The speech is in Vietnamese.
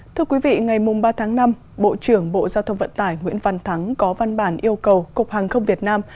thưa quý vị ngày ba tháng năm bộ trưởng bộ giao thông vận tải nguyễn văn thắng có văn bản yêu cầu cục hàng không việt nam